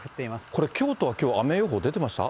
これ、京都はきょう、雨予報出てました？